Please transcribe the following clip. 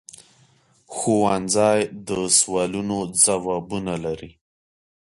ښوونځی د سوالونو ځوابونه لري